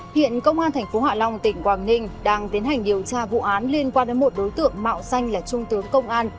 hiện công an tp hạ long tỉnh quảng ninh đang tiến hành điều tra vụ án liên quan đến một đối tượng mạo danh là trung tướng công an